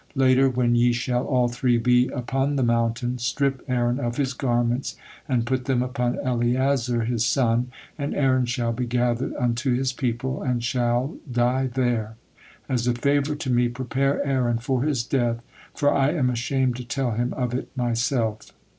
Later when ye shall all three be upon the mountain, 'strip Aaron of his garments, and put them upon Eleazar his son, and Aaron shall be gathered unto his people, and shall die there.' As a favor to Me prepare Aaron for his death, for I am ashamed to tell him of it Myself."